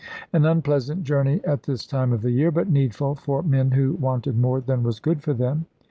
An unpleasant journey at this time of the year, but needful for men who wanted more than was good for them.